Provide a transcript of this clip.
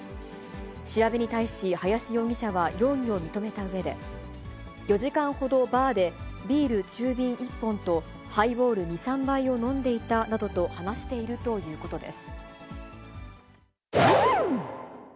調べに対し林容疑者は容疑を認めたうえで、４時間ほどバーでビール中瓶１本と、ハイボール２、３杯を飲んでいたなどと話しているということです。